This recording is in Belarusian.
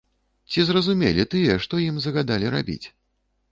Ці разумелі тыя, што ім загадалі рабіць?